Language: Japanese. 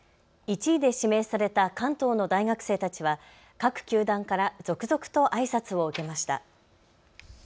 １位で指名された関東の大学生たちは各球団から続々とあいさつを受けました。